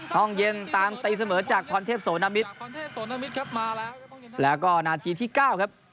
ห้องเย็นตามตีเสมอจากพรเทพโสนมิตรครับมาแล้วแล้วก็นาทีที่เก้าครับ